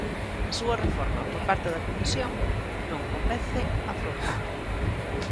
A súa reforma por parte da Comisión non convence a Fruga.